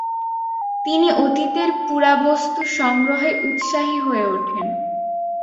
তিনি অতীতের পুরাবস্তু সংগ্রহে উৎসাহী হয়ে ওঠেন।